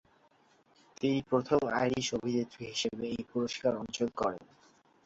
তিনি প্রথম আইরিশ অভিনেত্রী হিসেবে এই পুরস্কার অর্জন করেন।